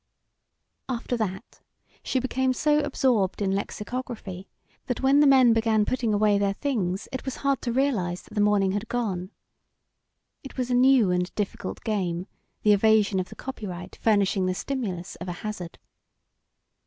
After that she became so absorbed in lexicography that when the men began putting away their things it was hard to realise that the morning had gone. It was a new and difficult game, the evasion of the copyright furnishing the stimulus of a hazard.